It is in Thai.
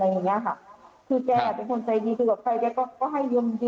ไม่เคยอะไรอย่างนี้ค่ะแต่แกก็พูดให้ฟังว่าบางฟิศเป็นเพื่อนเป็นอะไรอย่างนี้ค่ะ